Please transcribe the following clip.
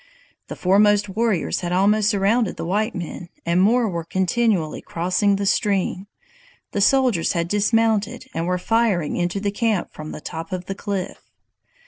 "The foremost warriors had almost surrounded the white men, and more were continually crossing the stream. The soldiers had dismounted, and were firing into the camp from the top of the cliff."